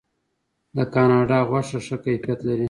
د کاناډا غوښه ښه کیفیت لري.